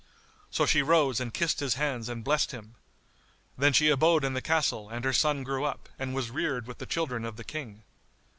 So she rose and kissed his hands and blessed him. Then she abode in the castle and her son grew up and was reared with the children of the King.